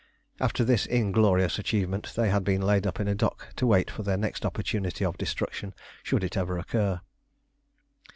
After this inglorious achievement they had been laid up in dock to wait for their next opportunity of destruction, should it ever occur.